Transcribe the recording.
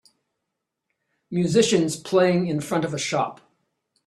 Musicians playing in front of a shop